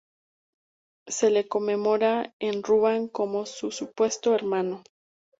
Se le conmemora en Ruan, con su supuesto hermano.